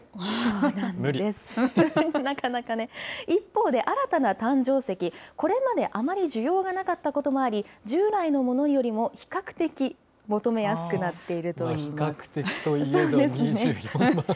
一方で、新たな誕生石、これまであまり需要がなかったこともあり、従来のものよりも比較的求めやすくなっている比較的といえど、２４万。